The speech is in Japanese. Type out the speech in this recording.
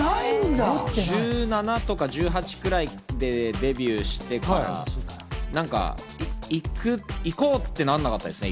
１７とか１８ぐらいでデビューしてから、何か行こうってなんなかったですね。